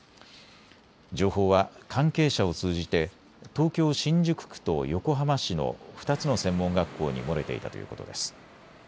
情報は関係者を通じて東京新宿区と横浜市の２つの専門学校にもれていたということです。